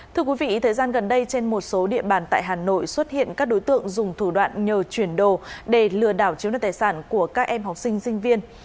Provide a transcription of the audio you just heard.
thưa quý vị thời gian gần đây trên một số địa bàn tại hà nội xuất hiện các đối tượng dùng thủ đoạn nhờ chuyển đồ để lừa đảo chiếu đất tài sản của các em học sinh sinh viên